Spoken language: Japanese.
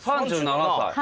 ３７歳。